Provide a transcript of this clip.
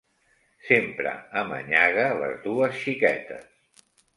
Sempre amanyaga les dues xiquetes.